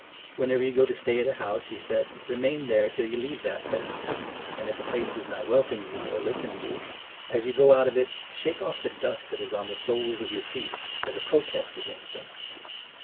"Whenever you go to stay at a house," he said, "remain 10 there till you leave that place ; and if a place does not wel 1 1 come you, or listen to you, as you go out of it shake off the dust that is on the soles of your feet, as a protest against them."